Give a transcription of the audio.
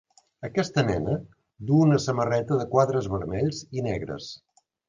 Aquesta nena duu una samarreta de quadres vermells i negres.